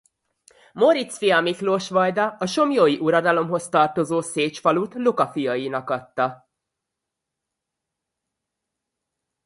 Móric fia Miklós vajda a somlyói uradalomhoz tartozó Szécs falut Luka fiainak adta.